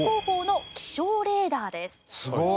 すごい！